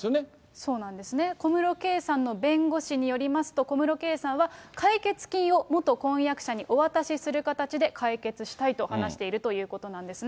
そうなんですね、小室圭さんの弁護士によりますと、小室圭さんは、解決金を元婚約者にお渡しする形で解決したいと話しているということなんですね。